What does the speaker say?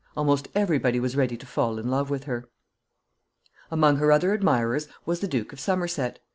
Almost every body was ready to fall in love with her. [Sidenote: Her admirers.] Among her other admirers was the Duke of Somerset.